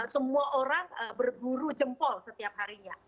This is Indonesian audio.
semua orang berburu jempol setiap harinya